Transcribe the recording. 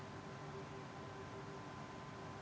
ya saya akan persilahkan